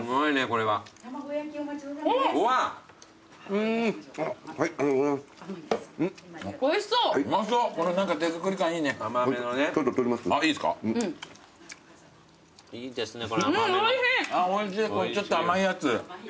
このちょっと甘いやつ。